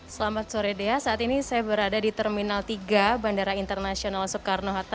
selamat sore dea saat ini saya berada di terminal tiga bandara internasional soekarno hatta